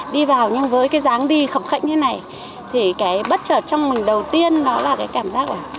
đi vào nhưng với cái dáng đi khập khệnh thế này thì cái bất trợ trong mình đầu tiên đó là cái cảm giác là